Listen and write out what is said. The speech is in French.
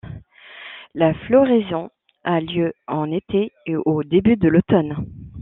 La floraison a lieu en été et au début de l'automne.